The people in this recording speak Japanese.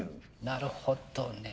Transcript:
なるほどね。